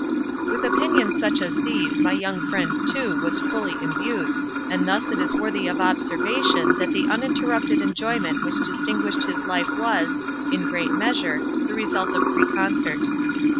With opinions such as these my young friend, too, was fully imbued, and thus it is worthy of observation that the uninterrupted enjoyment which distinguished his life was, in great measure, the result of preconcert.